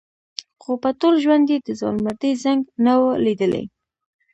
خو په ټول ژوند یې د ځوانمردۍ زنګ نه و لیدلی.